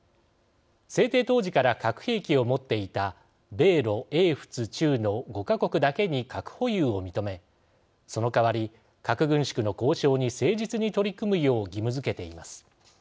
制定当時から核兵器を持っていた米ロ英仏中の５か国だけに核保有を認めそのかわり、核軍縮の交渉に誠実に取り組むよう義務づけています。